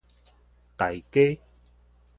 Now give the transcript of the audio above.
大街